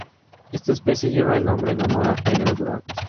Esta especie lleva el nombre en honor a Pedro Durant.